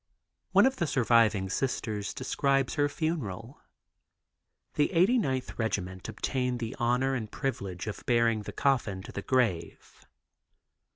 One of the surviving Sisters describes her funeral. The Eighty ninth Regiment obtained the honor and privilege of bearing the coffin to the grave.